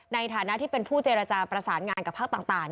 ในฐานะที่เป็นผู้เจรจาประสานงานกับภาคต่าง